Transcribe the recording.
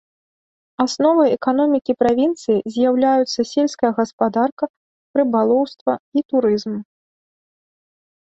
Асновай эканомікі правінцыі з'яўляюцца сельская гаспадарка, рыбалоўства і турызм.